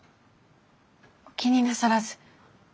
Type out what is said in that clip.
お気になさらず。